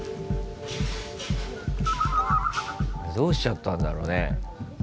どうしちゃったんだろうね。